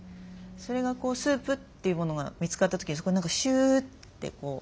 それがスープっていうものが見つかった時にそこに何かシューッてこう。